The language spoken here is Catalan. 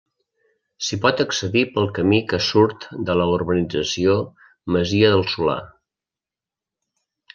S'hi pot accedir pel camí que surt de la Urbanització Masia del Solà.